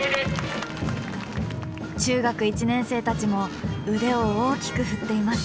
中学１年生たちも腕を大きく振っています。